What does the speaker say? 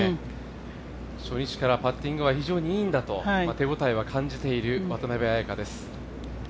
初日からパッティングは非常にいいんだと手応えは感じている渡邉彩香です。